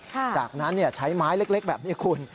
จากนั้นใช้ไม้เล็กแบบนี้คุณ